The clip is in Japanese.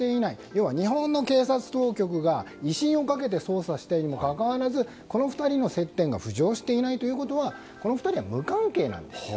要は日本の警察当局が威信をかけて捜査したにもかかわらずこの２人の接点が浮上していないということはこの２人は無関係なんですよ。